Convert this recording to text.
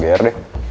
gak usah gear deh